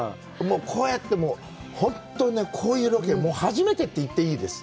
こうやって、本当にこういうロケ、初めてって言っていいです。